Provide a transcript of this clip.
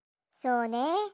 そうね。